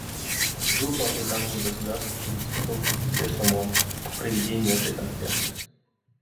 Группа африканских государств будет способствовать успешному проведению этой конференции.